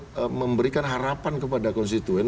untuk memberikan harapan kepada konstituen